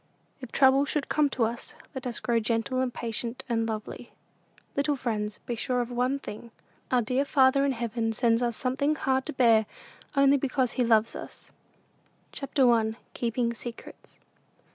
If trouble should come to us, let us grow gentle, and patient, and lovely. Little friends, be sure of one thing our dear Father in heaven sends us something hard to bear only because he loves us. SISTER SUSY. CHAPTER I. KEEPING SECRETS.